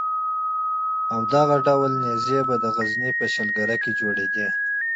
او دغه ډول نېزې به د غزني په شلګر کې جوړېدې.